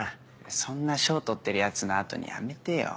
そんな賞取ってるやつの後にやめてよ。